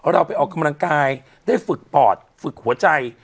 เราไปออกกำลังกายได้ฝึกปอดฝึกหัวใจ